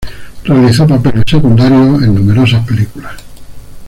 Realizó papeles secundarios en numerosas películas.